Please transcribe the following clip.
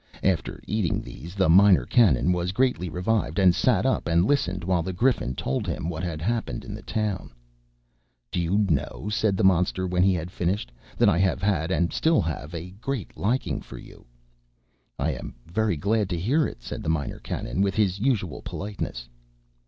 After eating these the Minor Canon was greatly revived, and sat up and listened while the Griffin told him what had happened in the town. "Do you know," said the monster, when he had finished, "that I have had, and still have, a great liking for you?" "I am very glad to hear it," said the Minor Canon, with his usual politeness.